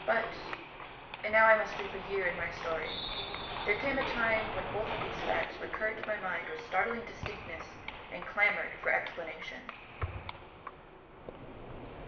But and now I must leap a year in my story there came a time when both of these facts recurred to my mind with startling distinctness and clamoured for explanation.